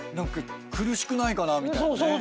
苦しくないかなみたいなね。